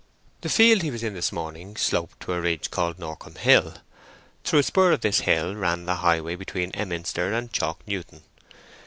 The field he was in this morning sloped to a ridge called Norcombe Hill. Through a spur of this hill ran the highway between Emminster and Chalk Newton.